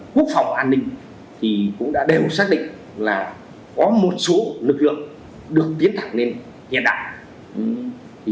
quốc phòng an ninh cũng đã đều xác định là có một số lực lượng được tiến thẳng lên hiện đại